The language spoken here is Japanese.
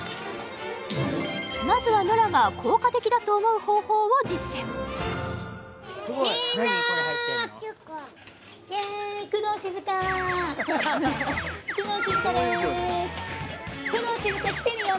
まずはノラが効果的だと思う方法を実践工藤静香来てるよ